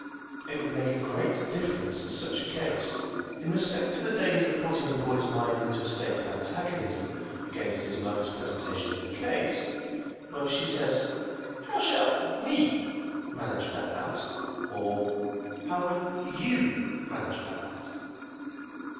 It would make a great difference in such a case in respect to the danger of putting the boy's mind into a state of antagonism against his mother's presentation of the case, whether she says, "How shall we manage about that?" or, "How will you manage about that?"